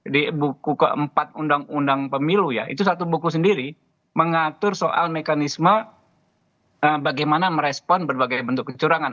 di buku keempat undang undang pemilu ya itu satu buku sendiri mengatur soal mekanisme bagaimana merespon berbagai bentuk kecurangan